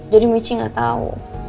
jadi mici gak tau